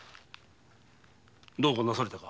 どうかなされたか。